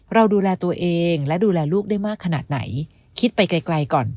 เราดูแลตัวเองและดูแลลูกได้มากขนาดไหนคิดไปไกลก่อน